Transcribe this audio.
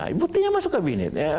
ibu ibunya masuk kabinet